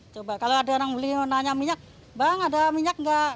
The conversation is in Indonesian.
coba kalau ada orang beli nanya minyak bang ada minyak nggak